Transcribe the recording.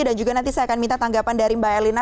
dan juga nanti saya akan minta tanggapan dari mbak elina